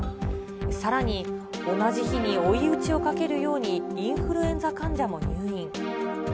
さらに、同じ日に追い打ちをかけるようにインフルエンザ患者も入院。